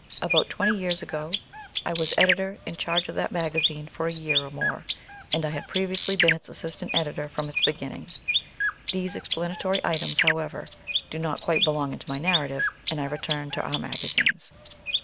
About twenty years ago I was editor in charge of that magazine for a year or more, and I had previously been its assistant editor from its beginning. These explanatory items, however, do not quite belong to my narrative, and I return to our magazines.)